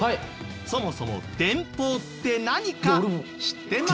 そもそも電報って何か知ってますか？